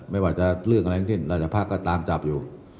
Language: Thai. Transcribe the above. ไม่ว่าจะเรื่องอะไรที่นี่ราชภักร์ก็ตามจับอยู่